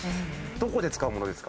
どこで使うものですか？